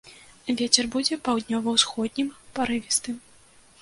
Вецер будзе паўднёва-ўсходнім, парывістым.